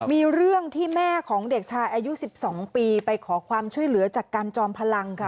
มีเรื่องที่แม่ของเด็กชายอายุ๑๒ปีไปขอความช่วยเหลือจากกันจอมพลังค่ะ